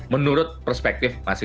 menurut perspektif masing masing